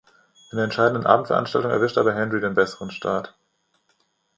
In der entscheidenden Abendveranstaltung erwischte aber Hendry den besseren Start.